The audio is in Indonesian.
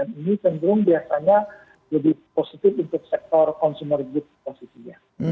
dan ini cenderung biasanya lebih positif untuk sektor consumer good posisinya